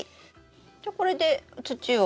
じゃこれで土を。